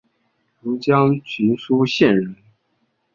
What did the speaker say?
庐江郡舒县人。